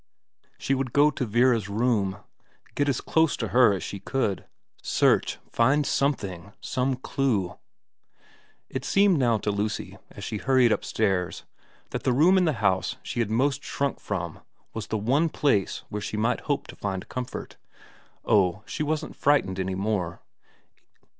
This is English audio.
She would go to Vera's room, get as close to her mind as she could, search, find something, some clue. ... 218 VERA xx It seemed now to Lucy, as she hurried upstairs, that the room in the house she had most shrunk from was the one place where she might hope to find comfort. Oh, she wasn't frightened any more.